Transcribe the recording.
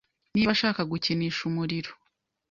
Niba ashaka gukinisha umuriro